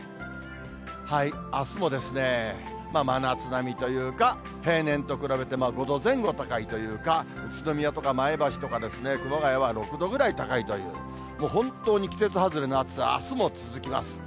あすも真夏並みというか、平年と比べて５度前後高いというか、宇都宮とか前橋とか熊谷は６度ぐらい高いという、もう本当に季節外れの暑さ、あすも続きます。